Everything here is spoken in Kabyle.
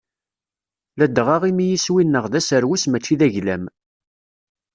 Ladɣa imi iswi-nneɣ d aserwes mačči d aglam.